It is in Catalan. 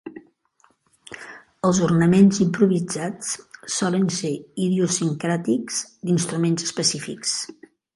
Els ornaments improvisats solen ser idiosincràtics d'instruments específics.